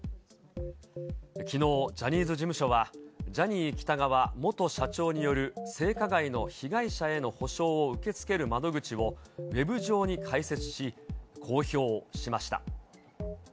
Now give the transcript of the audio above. きのう、ジャニーズ事務所は、ジャニー喜多川元社長による性加害の被害者への補償を受け付ける窓口をウェブ上に開設し、公表しました。